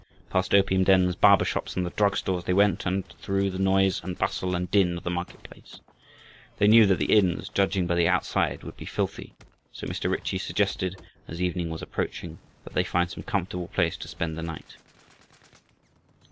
Past opium dens, barber shops, and drug stores they went and through the noise and bustle and din of the market place. They knew that the inns, judging by the outside, would be filthy, so Mr. Ritchie suggested, as evening was approaching, that they find some comfortable place to spend the night.